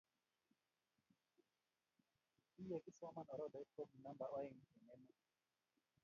Kiyekisoma oradait ko ki namba oeng eng emet.